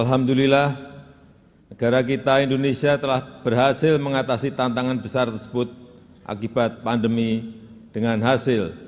alhamdulillah negara kita indonesia telah berhasil mengatasi tantangan besar tersebut akibat pandemi dengan hasil